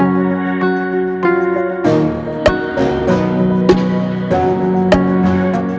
aku tak peduli denganmu